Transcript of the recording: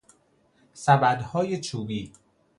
سبدهای چوبی